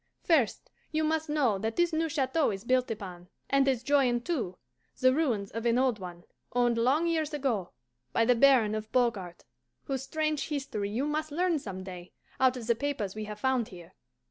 First, you must know that this new chateau is built upon, and is joined to, the ruins of an old one, owned long years ago by the Baron of Beaugard, whose strange history you must learn some day, out of the papers we have found here.